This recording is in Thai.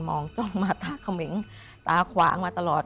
องจ้องมาตาเขมิงตาขวางมาตลอด